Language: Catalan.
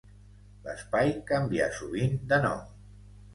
L'espai canvià sovint de nom.